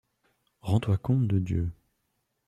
Rends-toi compte de Dieu.